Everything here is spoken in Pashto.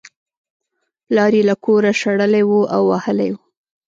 پلار یې له کوره شړلی و او وهلی یې و